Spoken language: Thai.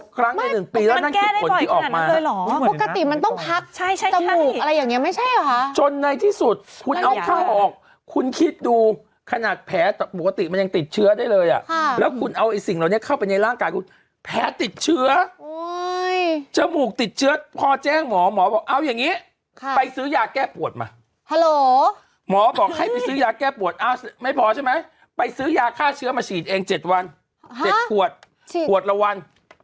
๑๖ครั้งใน๑ปีแล้วนั่นคือผลที่ออกมาคุณหมอบอกคุณหมอบอกคุณหมอบอกคุณหมอบอกคุณหมอบอกคุณหมอบอกคุณหมอบอกคุณหมอบอกคุณหมอบอกคุณหมอบอกคุณหมอบอกคุณหมอบอกคุณหมอบอกคุณหมอบอกคุณหมอบอกคุณหมอบอกคุณหมอบอกคุณหมอบอกคุณหมอบอกคุณ